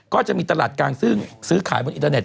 ก็จะมีตลาดการซื้อขายบนอินเทอร์เน็ต